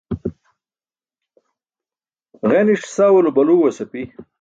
Ġeniṣ sawulo baluuẏas api.